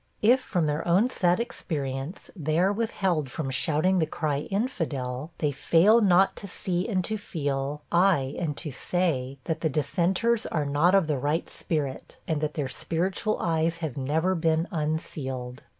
If, from their own sad experience, they are withheld from shouting the cry of 'infidel,' they fail not to see and to feel, ay, and to say, that the dissenters are not of the right spirit, and that their spiritual eyes have never been unsealed.